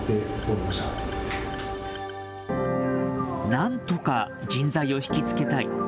なんとか人材を引き付けたい。